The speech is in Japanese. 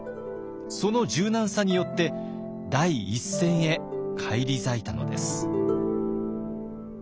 その柔軟さによって第一線へ返り咲いたのです。